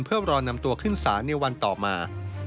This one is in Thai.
เพื่อรอนำตัวขึ้นศาลในวันต่อมา